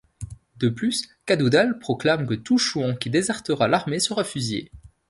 De plus Cadoudal proclame que tout Chouan qui désertera l'armée sera fusillé.